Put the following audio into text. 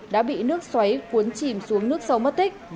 đã bị nước xoáy cuốn chìm xuống nước sâu mất tích